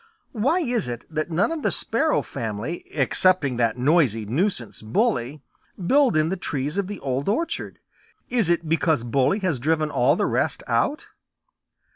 Why is it that none of the Sparrow family excepting that noisy nuisance, Bully, build in the trees of the Old Orchard? Is it because Bully has driven all the rest out?"